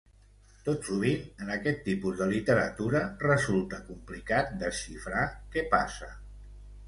Tot sovint, en aquest tipus de literatura, resulta complicat desxifrar què passa.